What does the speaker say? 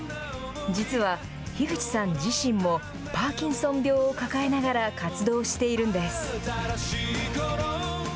実は樋口さん自身もパーキンソン病を抱えながら活動しているんです。